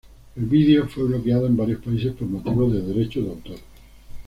El vídeo fue bloqueado en varios países por motivos de derechos de autor.